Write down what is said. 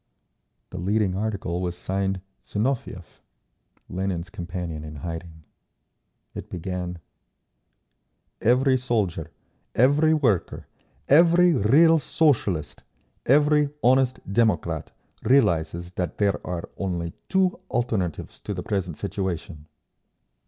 The leading article was signed "Zinoviev,"—Lenin's companion in hiding. It began: Every soldier, every worker, every real Socialist, every honest democrat realises that there are only two alternatives to the present situation.